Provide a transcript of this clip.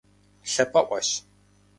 Лъапӏэӏуэщ.